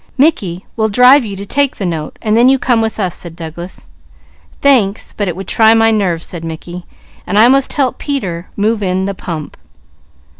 "Mickey, we'll drive you to take the note, and then you come with us," said Douglas. "Thanks, but it would try my nerve," said Mickey, "and I must help Peter move in the pump!"